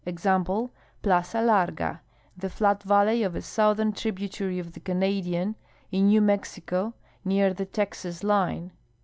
Examide, Plaza Larga, the flat valley of a southern tributar}' of the Canadian, in New Mexico, near the Texas line.